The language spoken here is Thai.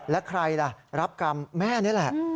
แล้วใครล่ะรับกรรมแม่นี่แหละ